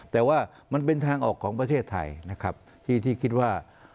แต่ว่ามันเป็นทางออกของประเทศไทยนะครับที่คิดว่า